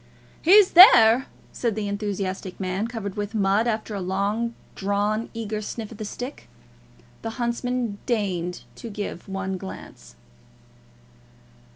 "He's there," said the enthusiastic man, covered with mud, after a long drawn, eager sniff at the stick. The huntsman deigned to give one glance.